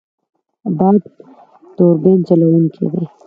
باد توربین چلوونکی دی.